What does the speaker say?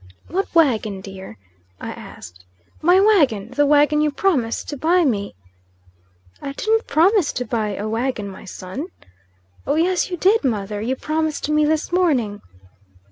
"What wagon, dear?" I asked. "My wagon. The wagon you promised to buy me." "I didn't promise to buy a wagon, my son." "Oh, yes you did, mother! You promised me this morning."